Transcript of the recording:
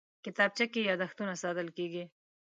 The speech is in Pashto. کتابچه کې یادښتونه ساتل کېږي